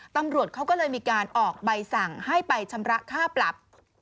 ตำรวจเขาก็เลยมีการออกใบสั่งให้ไปชำระค่าปรับ